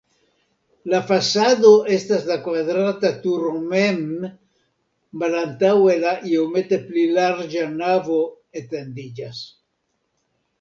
La fasado estas la kvadrata turo mem, malantaŭe la iomete pli larĝa navo etendiĝas.